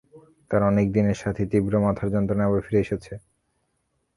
তাঁর অনেক দিনের সাথী তীব্র মাথার যন্ত্রণা আবার ফিরে এসেছে।